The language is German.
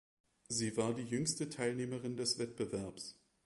Sie war die jüngste Teilnehmerin des Wettbewerbs.